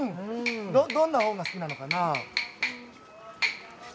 どんな本が好きなのかな？